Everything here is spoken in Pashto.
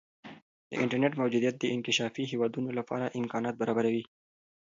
د انټرنیټ موجودیت د انکشافي هیوادونو لپاره امکانات برابروي.